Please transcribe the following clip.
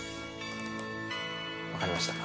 分かりました。